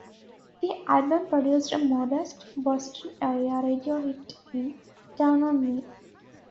The album produced a modest Boston area radio hit in Down on Me.